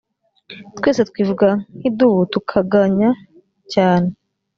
twese twivuga nk idubu tukaganya cyane